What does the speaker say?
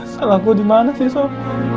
salah gue dimana sih sof